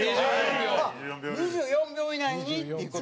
２４秒以内にっていう事？